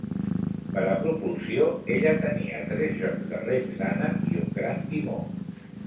Per a propulsió, ella tenia tres jocs de rems d'ànec i un gran timó.